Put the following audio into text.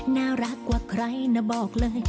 น่ารักกว่าใครนะบอกเลย